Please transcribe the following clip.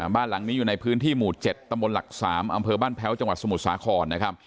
บ้านหลังนี้อยู่ในพื้นที่หมู่๗ตำบลหลัก๓อำเภอบ้านแพ้วจังหวัดสมุทรสาครนะครับ